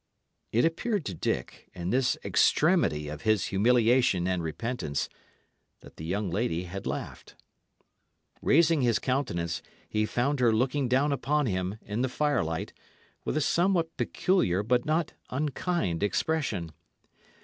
It appeared to Dick, in this extremity of his humiliation and repentance, that the young lady had laughed. Raising his countenance, he found her looking down upon him, in the fire light, with a somewhat peculiar but not unkind expression.